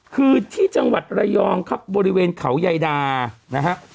คือที่จังหวัดระยองครับบริเวณเขายายดานะฮะ